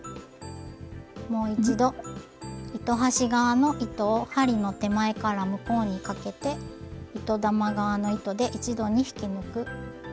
もう一度糸端側の糸を針の手前から向こうにかけて糸玉側の糸で一度に引き抜く。